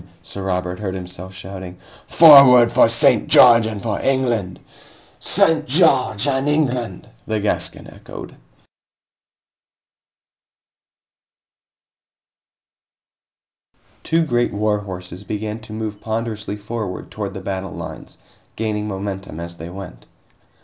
Sir Robert heard himself shouting. "Forward for St. George and for England!" "St. George and England!" the Gascon echoed. Two great war horses began to move ponderously forward toward the battle lines, gaining momentum as they went.